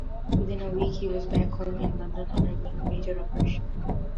Within a week he was back home in London undergoing a major operation.